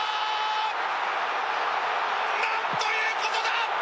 何ということだ！